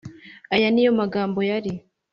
Aya ni yo magambo yari